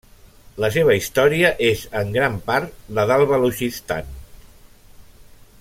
La seva història és en gran part la del Balutxistan.